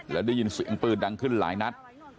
แล้วได้ยินเสียงปืนดังขึ้นหลายนัด